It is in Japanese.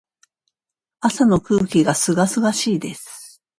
朝の空気が清々しいです。